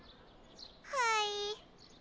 はい。